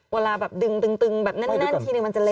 เวลาแบบดึงตึงแบบแน่นทีนึงมันจะเล็ก